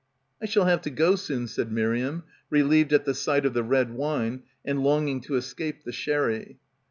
"I shall have to go soon," said Miriam, relieved at the sight of the red wine and longing to escape the sherry.